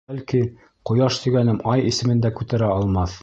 Бәлки, Ҡояш тигәнем Ай исемен дә күтәрә алмаҫ.